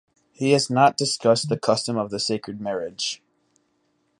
He has not discussed the custom of the sacred marriage.